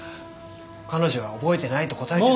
彼女は覚えてないと答えてるんだ。